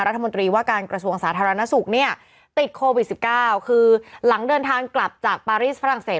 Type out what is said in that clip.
รัฐมนตรีว่าการกระทรวงสาธารณสุขเนี่ยติดโควิด๑๙คือหลังเดินทางกลับจากปารีสฝรั่งเศส